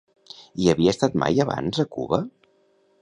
Hi havia estat mai abans a Cuba?